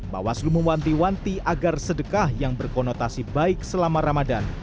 bawaslu mewanti wanti agar sedekah yang berkonotasi baik selama ramadan